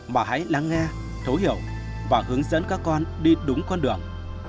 mà hãy lắng nghe thấu hiểu và hướng dẫn các con đi đúng con đường